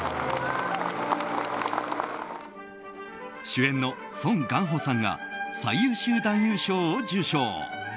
主演のソン・ガンホさんが最優秀男優賞を受賞。